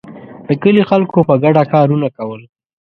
د کلي خلکو په ګډه کارونه کول.